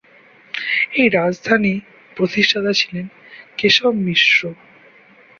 এই রাজধানী প্রতিষ্ঠাতা ছিলেন কেশব মিশ্র।